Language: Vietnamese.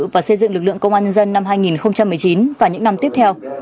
và xây dựng lực lượng công an nhân dân năm hai nghìn một mươi chín và những năm tiếp theo